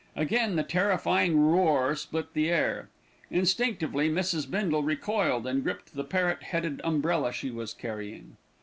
Again the terrifying roar split the air. Instinctively Mrs. Bindle recoiled, and gripped the parrot headed umbrella she was carrying.